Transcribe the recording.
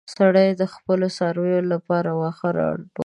سړی د خپلو څارويو لپاره واښه راټولول.